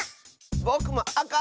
ぼくもあか！